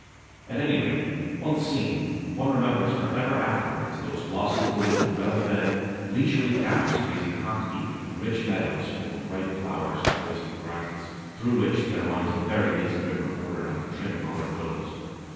At any rate, once seen, one remembers for ever afterwards those glossy coated, well fed, leisurely cows grazing hock deep in rich meadows full of bright flowers and graceful grasses, through which there winds a very lazy river bordered by trim pollarded willows.